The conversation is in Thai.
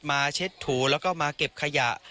เช็ดถูแล้วก็มาเก็บขยะ